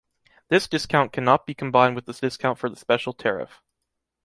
This discount cannot be combined with the discount for the special tariff.